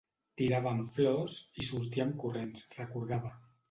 Tiràvem flors, i sortíem corrents, recordava.